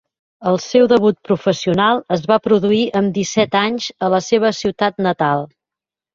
El seu debut professional es va produir amb disset anys, a la seva ciutat natal.